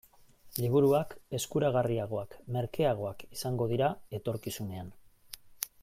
Liburuak eskuragarriagoak, merkeagoak, izango dira etorkizunean.